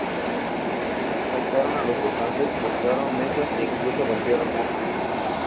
Atacaron a los votantes, volcaron mesas e incluso rompieron urnas.